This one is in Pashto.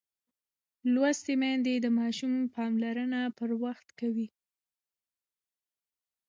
لوستې میندې د ماشوم پاملرنه پر وخت کوي.